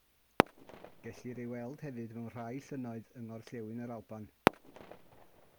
Gellir ei weld hefyd mewn rhai llynnoedd yng ngorllewin yr Alban.